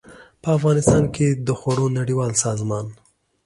په افغانستان کې د خوړو نړیوال سازمان